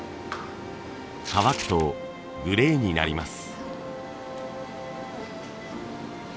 乾くとグレーになります。